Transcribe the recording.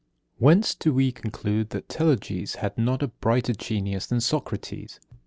66. Whence do we conclude that Telauges had not a brighter genius than Socrates?